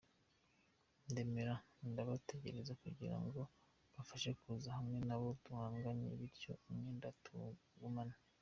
Ndemera ndabategereza kugira ngo mbafashe kuza hamwe nabo duhanganye bityo umwenda tuwugumane.